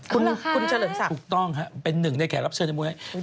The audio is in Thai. คุณเฉลิมศักดิ์ถูกต้องครับเป็นหนึ่งในแขกรับเชิญในมวย